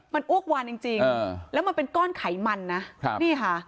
มันอ้วกวานจริงแล้วมันเป็นก้อนไขมันนะครับนี่ค่ะ